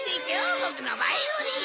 ぼくのバイオリン。